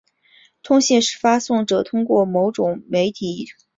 通信是发送者通过某种媒体以某种格式来传递信息到收信者以达致某个目的。